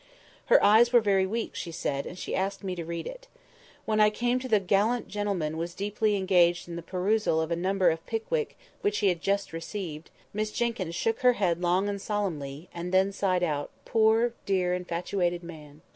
Her eyes were very weak, she said, and she asked me to read it. When I came to the "gallant gentleman was deeply engaged in the perusal of a number of 'Pickwick,' which he had just received," Miss Jenkyns shook her head long and solemnly, and then sighed out, "Poor, dear, infatuated man!"